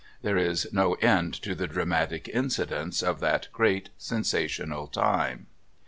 there is no end to the dramatic incidents of that great sensational time.